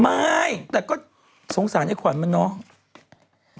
ไม่แต่ก็สงสารไอ้ขวัญมันเนาะ